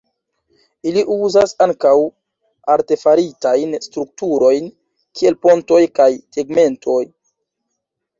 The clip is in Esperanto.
Ili uzas ankaŭ artefaritajn strukturojn kiel pontoj kaj tegmentoj.